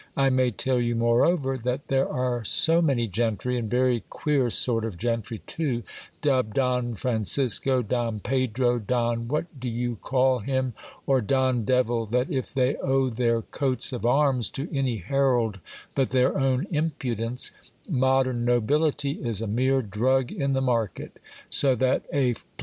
I may tell you, moreover, that there are so many gentry, and very queer sort of gentry too, dubbed Don Francisco, Don Pedro, Don What do you call him, or Don Devil, that if they owe their coats of arms to any herald but their own impudence, modern nobility is a mere drug in the market, so that a pie GIL BLAS INTRODUCED TO COUNT GALIANO.